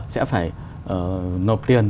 sẽ phải nộp tiền